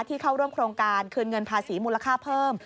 เข้าร่วมโครงการคืนเงินภาษีมูลค่าเพิ่ม